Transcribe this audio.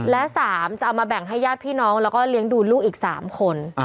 และ๓จะเอามาแบ่งให้ญาติพี่น้องแล้วก็เลี้ยงดูลูกอีก๓คน